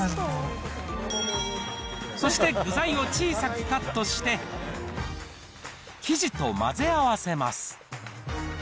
そして具材を小さくカットして、生地と混ぜ合わせます。